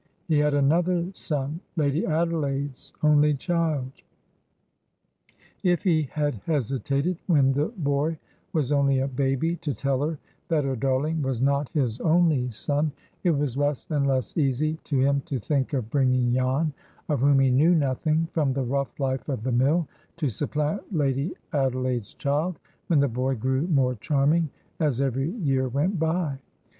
He had another son, Lady Adelaide's only child. If he had hesitated when the boy was only a baby to tell her that her darling was not his only son, it was less and less easy to him to think of bringing Jan,—of whom he knew nothing—from the rough life of the mill to supplant Lady Adelaide's child, when the boy grew more charming as every year went by.